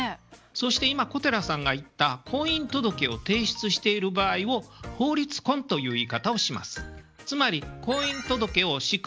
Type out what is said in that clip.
そして今小寺さんが言った婚姻届を提出している場合を「法律婚」という言い方をします。